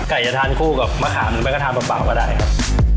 ไก่จะทานคู่กับมะขามันก็ทานเบาก็ได้ครับ